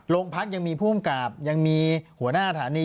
โรงพักยังมีภูมิกับยังมีหัวหน้าฐานี